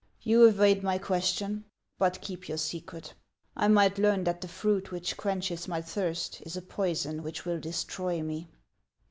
" You evade my question ; but keep your secret. I might learn that the fruit which quenches my thirst is a poison which will destroy me."